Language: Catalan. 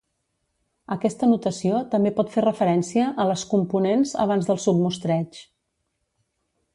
Aquesta notació també pot fer referència a les components abans del submostreig.